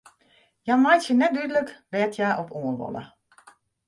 Hja meitsje net dúdlik wêr't hja op oan wolle.